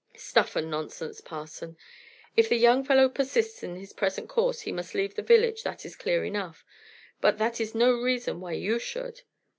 "Stuff and nonsense, Parson! If the young fellow persists in his present course he must leave the village, that is clear enough; but that is no reason why you should.